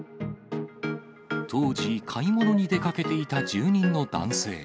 当時、買い物に出かけていた住人の男性。